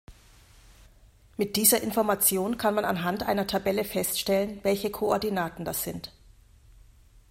Mit dieser Information kann man anhand einer Tabelle feststellen, welche Koordinaten das sind.